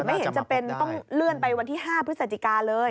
ไม่เห็นจำเป็นต้องเลื่อนไปวันที่๕พฤศจิกาเลย